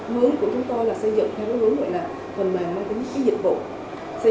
công trình của chúng tôi là xây dựng theo hướng gọi là